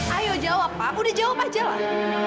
ayo jawab pak udah jawab aja lah